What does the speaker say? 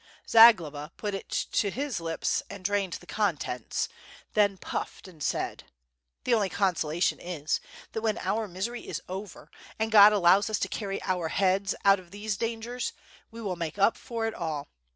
Zagloba put it too his lips and drained the contents, then he puffed and said: "The only consolation is, that when our misery is over, and God allows us to carry our heads out of these dangers, we will make up for it all.